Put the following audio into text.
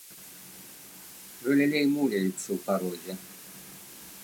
Галілей муляецца ў парозе.